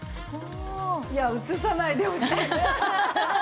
いや映さないでほしい。